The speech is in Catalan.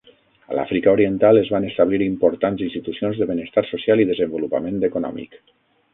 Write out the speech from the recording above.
A l'Àfrica oriental, es van establir importants institucions de benestar social i desenvolupament econòmic.